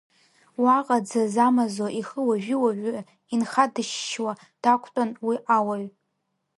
Уаҟа дзазамазо, ихы уажәы-уажәы инхьадышьшьуа дақәтәан уи ауаҩ.